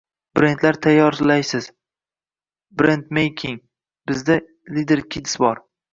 Brendlar tayyorlaysiz – brenmeyking, sizda «Lider kids» bor.